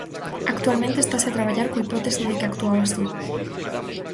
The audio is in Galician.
Actualmente estase a traballar coa hipótese de que actuaba só.